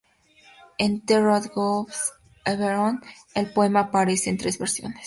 En "The Road Goes Ever On" el poema aparece en tres versiones.